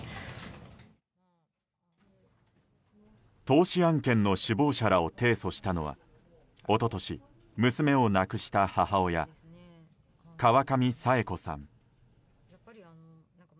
投資案件の首謀者らを提訴したのは一昨年、娘を亡くした母親川上佐永子さん。